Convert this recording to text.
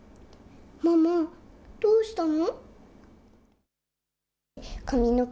ママ、どうしたの？